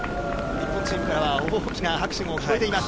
日本チームからは大きな拍手も聞こえています。